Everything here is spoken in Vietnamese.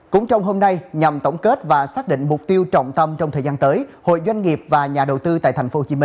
cũng trong hôm nay nhằm tổng kết và xác định mục tiêu trọng tâm trong thời gian tới